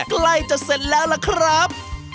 ใกล้จะเสร็จแล้วล่ะครับ